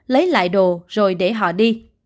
lấy lại đồ rồi để họ đi